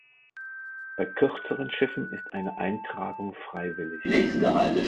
Bei kürzeren Schiffen ist eine Eintragung freiwillig.